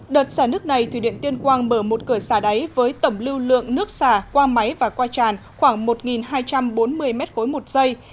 đợt xả nước này thủy điện tuyên quang mở một cửa xả đáy với tổng lưu lượng nước xả qua máy và qua tràn khoảng một hai trăm bốn mươi m ba một giây